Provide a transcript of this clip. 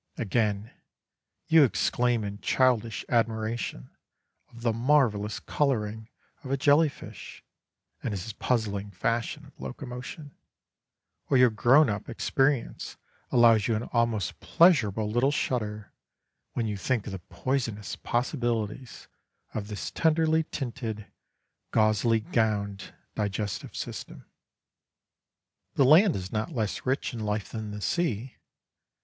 Again, you exclaim in childish admiration of the marvellous colouring of a jelly fish and his puzzling fashion of locomotion, or your grown up experience allows you an almost pleasurable little shudder when you think of the poisonous possibilities of this tenderly tinted, gauzily gowned digestive system. The land is not less rich in life than the sea.